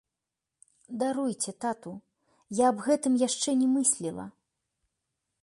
Даруйце, тату, я аб гэтым яшчэ не мысліла.